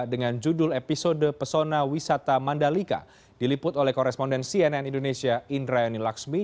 dengan judul episode pesona wisata mandalika diliput oleh korespondensi cnn indonesia indra yani laksmi